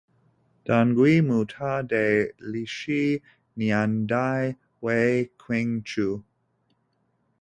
澹归墓塔的历史年代为清初。